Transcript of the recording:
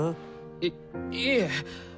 いいえ！